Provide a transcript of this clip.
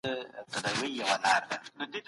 د ماشومانو ساتنه زموږ د راتلونکي تضمین دی.